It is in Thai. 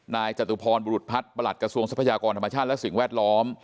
จตุพรบุรุษพัฒน์ประหลัดกระทรวงทรัพยากรธรรมชาติและสิ่งแวดล้อม